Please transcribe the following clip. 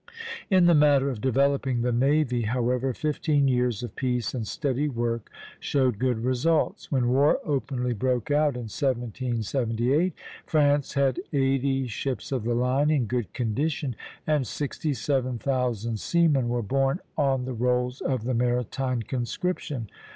In the matter of developing the navy, however, fifteen years of peace and steady work showed good results. When war openly broke out in 1778, France had eighty ships of the line in good condition, and sixty seven thousand seamen were borne on the rolls of the maritime conscription.